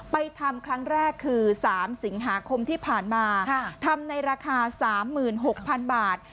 ไปทำครั้งแรกคือ๓สิงหาคมที่ผ่านมาทำในราคา๓๖๐๐๐บาท